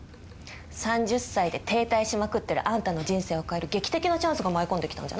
３０歳で停滞しまくってるあんたの人生を変える劇的なチャンスが舞い込んで来たんじゃない？